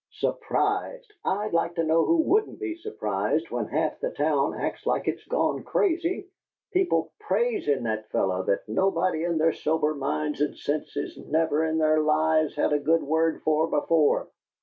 "Surprised! I'd like to know who wouldn't be surprised when half the town acts like it's gone crazy. People PRAISIN' that fellow, that nobody in their sober minds and senses never in their lives had a good word for before!